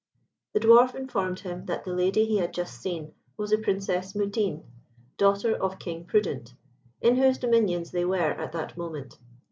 The dwarf informed him that the lady he had just seen was the Princess Mutine, daughter of King Prudent, in whose dominions they were at that moment.